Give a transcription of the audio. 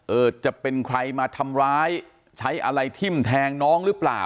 จะเป็นใครมาทำร้ายใช้อะไรทิ้มแทงน้องหรือเปล่า